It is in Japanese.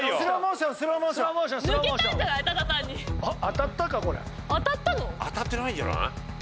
飯尾：当たってないんじゃない？